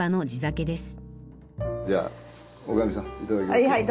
はい